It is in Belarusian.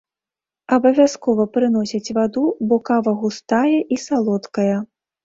Абавязкова прыносяць ваду, бо кава густая і салодкая.